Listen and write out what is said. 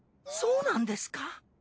そうなんですか？